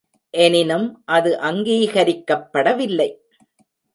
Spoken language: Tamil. எனினும் அது அங்கீகரிக்கப்படவில்லை.